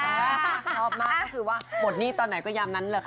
ครอบมากคือว่าหมดนิ่งตอนไหนก็ยังนั้นแหละค่ะ